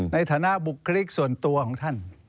ในฐานะบุคลิกส่วนตัวของท่าน